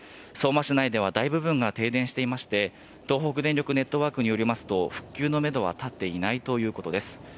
相馬市内では大部分が停電していまして、東北電力ネットワークによりますと復旧のめどは立っていないということです。